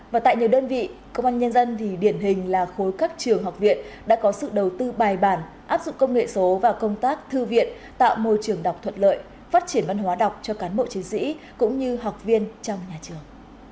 và tại nhiều đơn vị công an nhân dân thì điển hình là khối các trường học viện đã có sự đầu tư bài bản áp dụng công nghệ số và công tác thư viện tạo môi trường đọc thuận lợi phát triển văn hóa đọc cho cán bộ chiến sĩ cũng như học viên trong nhà trường